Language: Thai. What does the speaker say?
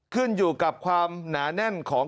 ขึ้นอยู่กับความหนาแน่นของ